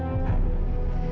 kamu tuh pasti takut